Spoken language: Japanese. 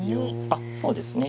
あっそうですね。